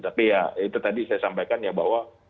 tapi ya itu tadi saya sampaikan ya bahwa